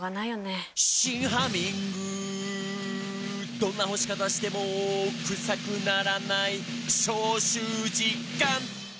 「どんな干し方してもクサくならない」「消臭実感！」